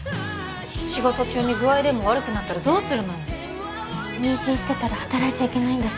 仕事中に具合でも悪くなったらどうするのよ妊娠してたら働いちゃいけないんですか